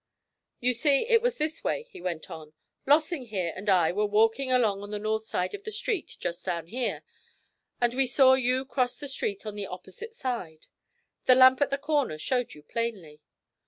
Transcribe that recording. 'You see, it was this way,' he went on. 'Lossing here and I were walking along on the north side of the street, just down here, and we saw you cross the street on the opposite side; the lamp at the corner showed you plainly.